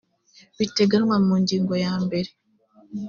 biteganwa mu ngingo ya mbere